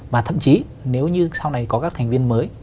và thậm chí nếu như sau này có các thành viên mới